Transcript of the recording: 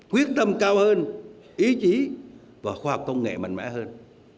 quyết tâm cao hơn ý chí và khoa học công nghệ mạnh mẽ hơn